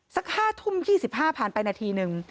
สัก๕ทุ่ม๒๕ผ่านไปนาทีหนึ่ง